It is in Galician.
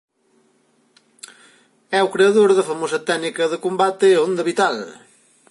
É o creador da famosa técnica de combate Onda Vital.